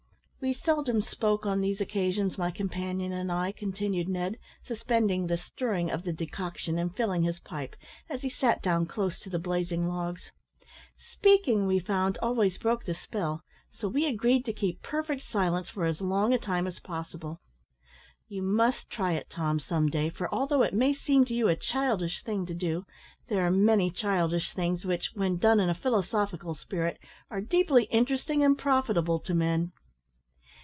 "We seldom spoke on these occasions, my companion and I," continued Ned, suspending the stirring of the decoction and filling his pipe, as he sat down close to the blazing logs; "speaking, we found, always broke the spell, so we agreed to keep perfect silence for as long a time as possible. You must try it, Tom, some day, for although it may seem to you a childish thing to do, there are many childish things which, when done in a philosophical spirit, are deeply interesting and profitable to men."